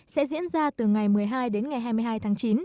sẽ diễn ra từ ngày một mươi hai đến ngày hai mươi hai tháng chín